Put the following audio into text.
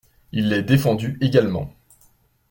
Il est défendu également.